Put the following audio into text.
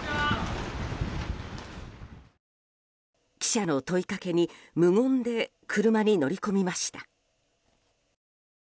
記者の問いかけに無言で車に乗り込みました。